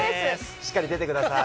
しっかり出てください。